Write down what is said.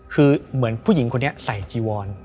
คือเหมือนผู้หญิงคนนี้ใส่จีวอน